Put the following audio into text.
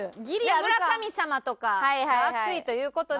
村神様とかが熱いという事で。